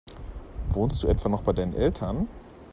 Wohnst du etwa noch bei deinen Eltern?